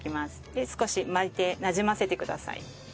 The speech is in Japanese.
で少し巻いてなじませてください。